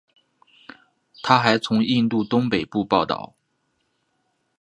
他还从印度东北部报道。